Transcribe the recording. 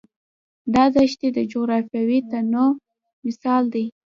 دا دښتې د جغرافیوي تنوع مثال دی.